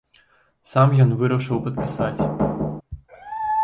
Сам ён вырашыў падпісаць.